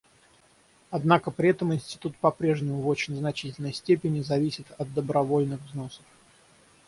Однако при этом Институт по-прежнему в очень значительной степени зависит от добровольных взносов.